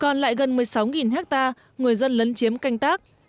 còn lại gần một mươi sáu hectare người dân lấn chiếm canh tác